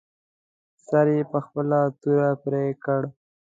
سر یې په خپله توره پرې کړ.